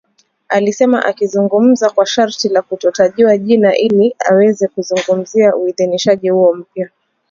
alisema akizungumza kwa sharti la kutotajwa jina ili aweze kuzungumzia uidhinishaji huo mpya